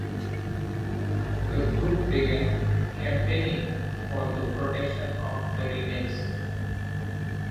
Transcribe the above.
The group began campaigning for the protection of the remains.